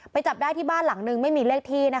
จับได้ที่บ้านหลังนึงไม่มีเลขที่นะคะ